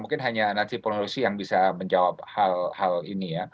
mungkin hanya nancy pelosi yang bisa menjawab hal hal ini